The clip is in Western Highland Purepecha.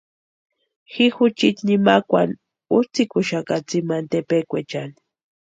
Ji juchiti nimakwani útsïkuxaka tsimani tepekwaechani.